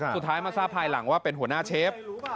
สุดท้ายมาทราบภายหลังว่าเป็นหัวหน้าเชฟ